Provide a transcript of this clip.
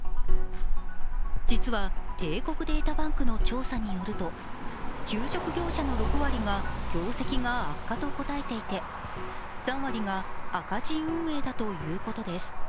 実は、帝国データバンクの調査によると給食業者の６割が業績が悪化と答えていて３割が赤字運営だということです。